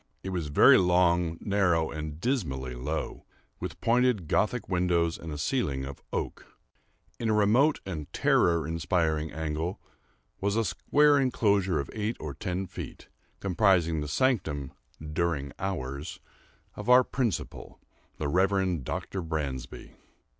It was very long, narrow, and dismally low, with pointed Gothic windows and a ceiling of oak. In a remote and terror inspiring angle was a square enclosure of eight or ten feet, comprising the sanctum, "during hours," of our principal, the Reverend Dr. Bransby.